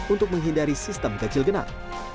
untuk menghindari sistem ganjil genap